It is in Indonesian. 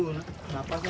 nanti kita akan lihat